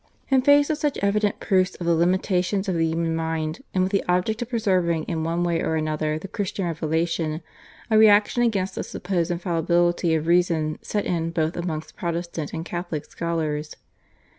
In face of such evident proofs of the limitations of the human mind, and with the object of preserving in one way or another the Christian Revelation, a reaction against the supposed infallibility of reason set in both amongst Protestant and Catholic scholars.